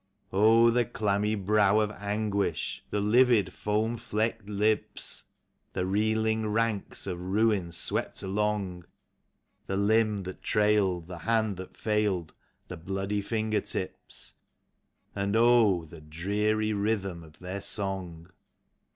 Oh, the clammy brow of anguish! the livid, foam flecked lips ! The reeling ranks of ruin swept along! The limb that trailed, the hand that failed, the bloody finger tips ! And oh, the dreary rhythm of their song!